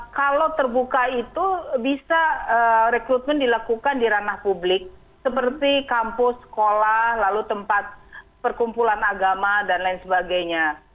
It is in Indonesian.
kalau terbuka itu bisa rekrutmen dilakukan di ranah publik seperti kampus sekolah lalu tempat perkumpulan agama dan lain sebagainya